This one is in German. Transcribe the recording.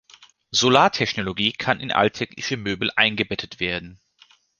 Solartechnologie kann in alltägliche Möbel eingebettet werden.